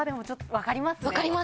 分かります。